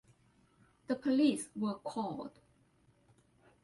The police were called.